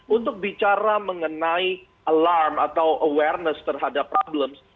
untuk bicara mengenai alarm atau awareness terhadap problem